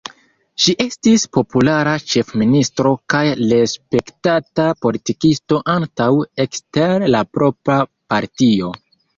Ŝi estis populara ĉefministro kaj respektata politikisto ankaŭ ekster la propra partio.